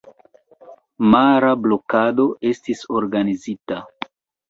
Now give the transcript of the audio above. Mara blokado estis organizita.